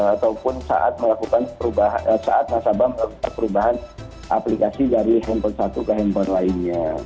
ataupun saat melakukan perubahan saat nasabah melakukan perubahan aplikasi dari handphone satu ke handphone lainnya